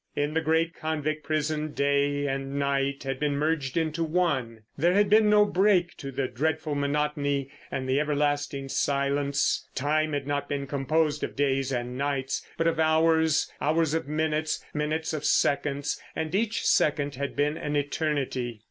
In the great convict prison day and night had been merged into one. There had been no break to the dreadful monotony and the everlasting silence. Time had not been composed of days and nights, but of hours; hours of minutes, minutes of seconds—and each second had been an eternity.